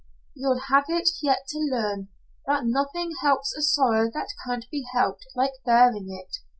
"You'll have it yet to learn, that nothing helps a sorrow that can't be helped like bearing it.